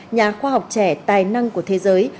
nhà khoa học trẻ tài năng của thế giới